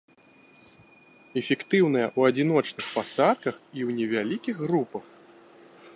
Эфектыўная ў адзіночных пасадках і ў невялікіх групах.